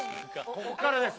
ここからです。